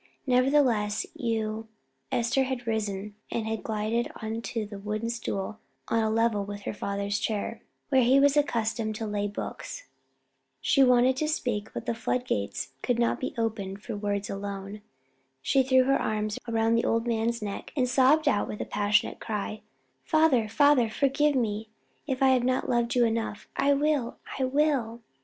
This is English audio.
Nevertheless you " Esther had risen, and had glided on to the wooden stool on a level with her father's chair, where he was accustomed to lay books. She wanted to speak, but the flood gates could not be opened for words alone. She threw her arms round the old man's neck and sobbed out with a passionate cry, "Father, father! forgive me if I have not loved you enough. I will I will!"